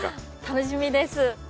楽しみです。